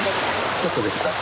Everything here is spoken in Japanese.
ちょっとできた？